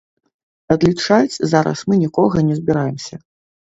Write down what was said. Адлічаць зараз мы нікога не збіраемся.